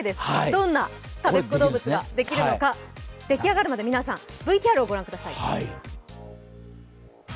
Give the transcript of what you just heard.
どんな、たべっ子どうぶつができるのか出来上がるまで皆さんＶＴＲを御覧ください。